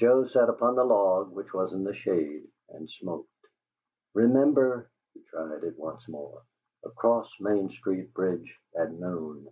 Joe sat upon the log, which was in the shade, and smoked. "'REMEMBER!'" He tried it once more. "'ACROSS MAIN STREET BRIDGE AT NOON!'"